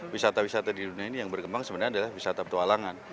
wisata wisata di dunia ini yang berkembang sebenarnya adalah wisata petualangan